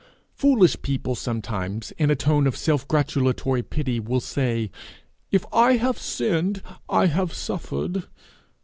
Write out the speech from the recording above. Foolish people sometimes, in a tone of self gratulatory pity, will say, 'If I have sinned I have suffered.'